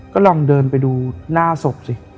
ก็ลองเดินไปดูหน้าศพสิ